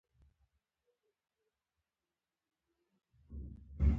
ښه ښه ورته لره !